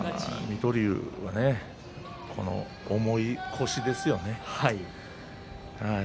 水戸龍は、この重い腰ですよね。